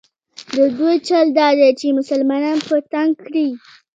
د دوی چل دا دی چې مسلمانان په تنګ کړي.